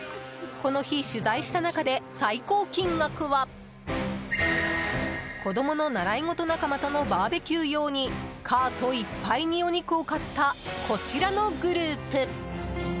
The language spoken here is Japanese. この日取材した中で最高金額は子供の習い事仲間とのバーベキュー用にカートいっぱいにお肉を買ったこちらのグループ。